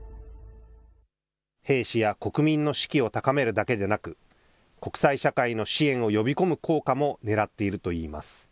兵士や国民の士気を高めるだけでなく国際社会の支援を呼び込む効果もねらっているといいます。